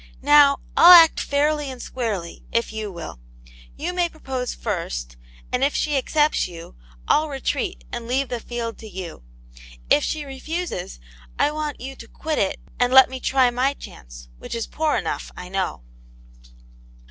Now, I'll act fairly and squarely, if you will. You may propose first, and if she accepts you, I'll retreat, and leave the field to you. If she refuses, I want you to quit it, and let me try my chance, which is poor enough, I know."